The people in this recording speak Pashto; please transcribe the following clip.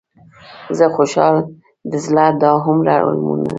زه خوشحال د زړه دا هومره المونه.